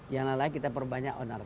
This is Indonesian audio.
jangan lalai kita perbanyak honor